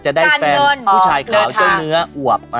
จะได้แฟนผู้ชายขาวเจ้าเนื้ออวบ